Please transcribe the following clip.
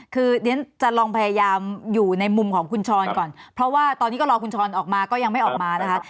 คือเรียนจะลองพยายามอยู่ในมุมของคุณชรก่อนเพราะว่าตอนนี้ก็รอคุณช้อนออกมาก็ยังไม่ออกมานะคะ